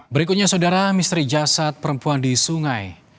berikutnya saudara misteri jasad perempuan di sungai